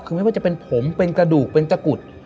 คือไม่ว่าจะเป็นผมเป็นกระดูกเป็นตะกุด